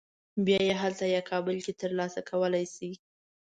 بیا یې هلته یا کابل کې تر لاسه کولی شې.